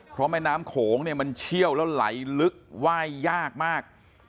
เพราะแม่น้ำโขงเนี่ยมันเชี่ยวแล้วไหลลึกไหว้ยากมาก